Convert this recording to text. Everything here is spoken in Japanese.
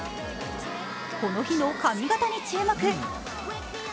この日の髪形に注目。